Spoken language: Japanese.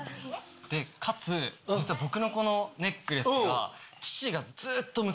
かつ実は僕のこのネックレスが。